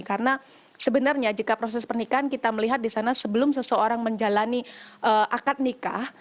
karena sebenarnya jika proses pernikahan kita melihat di sana sebelum seseorang menjalani akad nikah